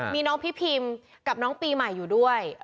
มีน้องพี่พิมกับน้องปีใหม่อยู่ด้วย